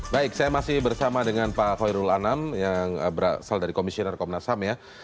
baik saya masih bersama dengan pak khairul anam yang berasal dari komisioner komnas ham ya